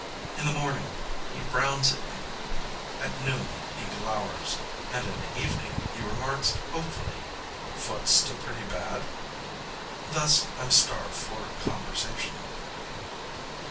In the morning he frowns at me, at noon he glowers, and in the evening he remarks hopefully, 'Foot still pretty bad?' Thus, I'm starved for conversation."